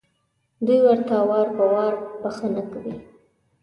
دوی ورته وار په وار بښنه کوي.